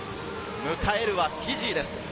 迎えるはフィジーです。